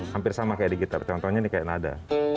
hampir sama kayak di gitar contohnya nih kayak nada